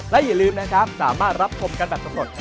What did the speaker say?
และอย่าลืมนะครับสามารถรับชมกันแบบสำรวจ